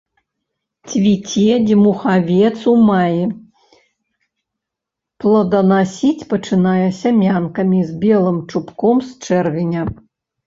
Цвіце дзьмухавец ў маі, плоданасіць пачынае сямянкамі з белым чубком з чэрвеня.